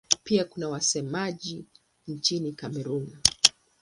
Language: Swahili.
Pia kuna wasemaji nchini Kamerun.